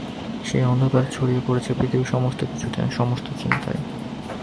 সেই অন্ধকার ছড়িয়ে পড়েছে পৃথিবীর সমস্ত কিছুতে, সমস্ত চিন্তায়।